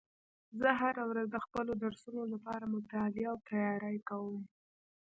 زه هره ورځ د خپلو درسونو لپاره مطالعه او تیاری کوم